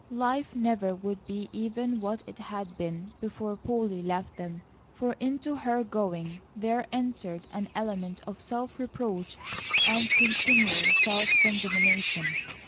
Life never would be even what it had been before Polly left them, for into her going there entered an element of self reproach and continual self condemnation.